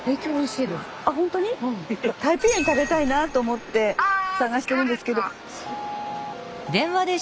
太平燕食べたいなと思って探してるんですけど。